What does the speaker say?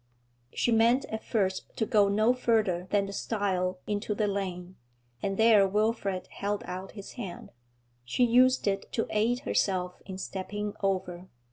She meant at first to go no further than the stile into the lane, and there Wilfrid held out his hand. She used it to aid herself in stepping over.